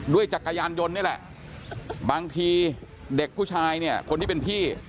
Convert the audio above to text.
จักรยานยนต์นี่แหละบางทีเด็กผู้ชายเนี่ยคนที่เป็นพี่